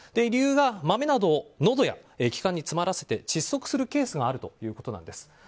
理由が、豆などをのどや気管に詰まらせて窒息するケースがあるということなんです。